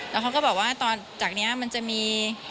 แล้วเขาก็บอกว่าตอนจากนี้มันจะมี